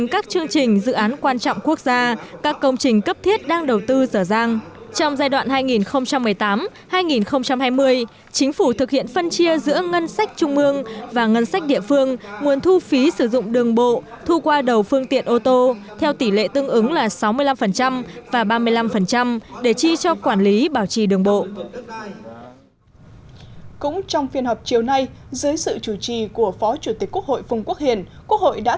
cũng trong phiên họp chiều nay dưới sự chủ trì của phó chủ tịch quốc hội phùng quốc hiền quốc hội đã thảo luận về dự án luật kiến trúc